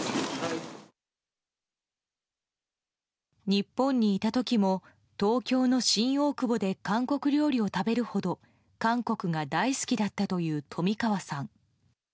日本にいた時も東京の新大久保で韓国料理を食べるほど、韓国が大好きだったという冨川さん。